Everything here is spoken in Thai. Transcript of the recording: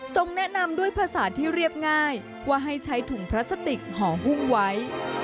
แนะนำด้วยภาษาที่เรียบง่ายว่าให้ใช้ถุงพลาสติกห่อหุ้มไว้